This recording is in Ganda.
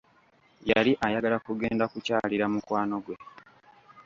Yali ayagala kugenda kukyalira mukwano gwe.